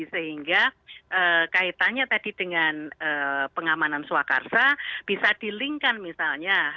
sehingga kaitannya tadi dengan pengamanan swakarsa bisa dilingkan misalnya